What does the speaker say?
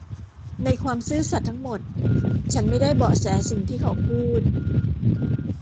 ในความซื่อสัตย์ทั้งหมดฉันไม่ได้เบาะแสสิ่งที่เขาพูด